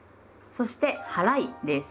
そして「はらい」です。